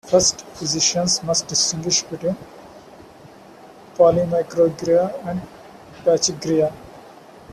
First physicians must distinguish between polymicrogyria and pachygyria.